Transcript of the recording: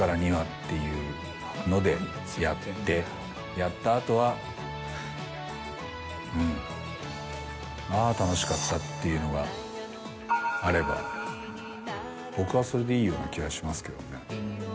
やった後はうん「あぁ楽しかった」っていうのがあれば僕はそれでいいような気がしますけどね。